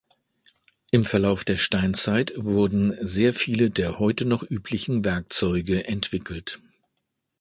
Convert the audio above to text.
Im Verlauf der Steinzeit wurden sehr viele der heute noch üblichen Werkzeuge entwickelt.